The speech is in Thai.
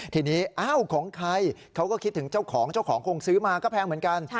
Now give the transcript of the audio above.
ทีนี้อ้าวของใครเขาก็คิดถึงเจ้าของเจ้าของคงซื้อมาก็แพงเหมือนกัน